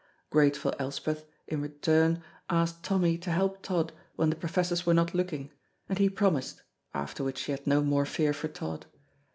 Grateful Elspeth in return asked Tommy to help Tod when the professors were not looking, and he promised, after which she had no more fear for Tod.